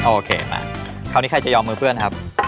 โอเคมาครองใครจะย่อมมือเพื่อนนะครับ